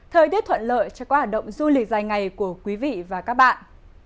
thời tiết thuận lợi cho các hoạt động du lịch dài ngày của quý vị và các bạn